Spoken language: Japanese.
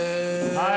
はい。